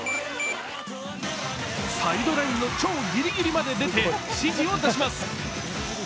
サイドラインの超ギリギリまで出て、指示を出します。